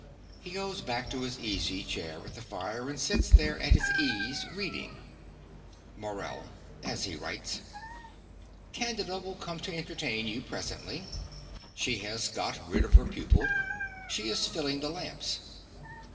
(He goes back to his easy chair at the fire, and sits there at his ease, reading.) MORELL (as he writes). Candida will come to entertain you presently. She has got rid of her pupil. She is filling the lamps.